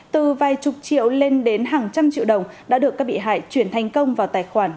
từ vài chục triệu lên đến hàng trăm triệu đồng đã được các bị hại chuyển thành công vào tài khoản